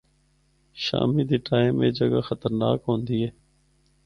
شامی دے ٹائم اے جگہ خطرناک ہوندی ہے۔